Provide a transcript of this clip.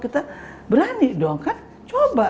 kita berani dong kan coba